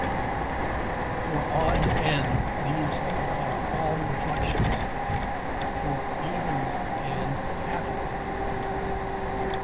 For odd "n" these are all reflections, for even "n" half of them.